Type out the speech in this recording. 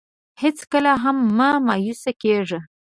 هېڅکله هم مه مایوسه کېږه.